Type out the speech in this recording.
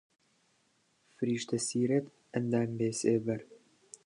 فریشتە سیرەت، ئەندام بێسێبەر